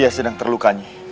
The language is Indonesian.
aku memberhitung ayo